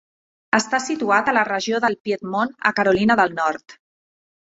Està situat a la regió del Piedmont a Carolina del Nord.